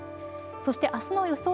そしてあすの予想